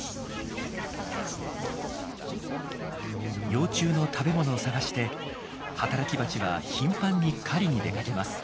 幼虫の食べ物を探して働きバチは頻繁に狩りに出かけます。